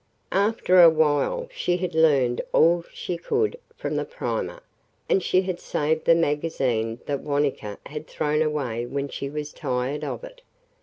After a while she had learned all she could from the primer, and she had saved the magazine that Wanetka had thrown away when she was tired of it.